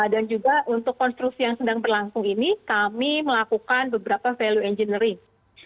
dan juga untuk konstruksi yang sedang berlangsung ini kami melakukan beberapa value engineering